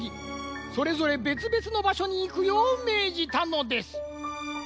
それぞれべつべつのばしょにいくようめいじたのです。